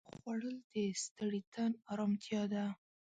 خوړل د ستړي تن ارامتیا ده